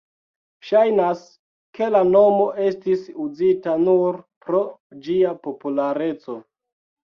Ŝajnas, ke la nomo estis uzita nur pro ĝia populareco.